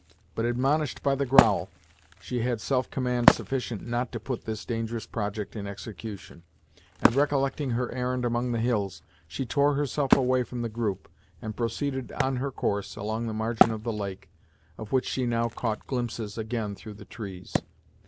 But admonished by the growl, she had self command sufficient not to put this dangerous project in execution, and recollecting her errand among the hills, she tore herself away from the group, and proceeded on her course along the margin of the lake, of which she now caught glimpses again through the trees.